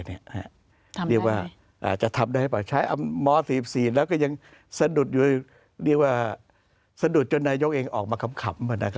หรือว่าจะทำได้หรือเปล่าใช้ม๔๔แล้วก็ยังสะดุดจนนายกเองออกมาขำ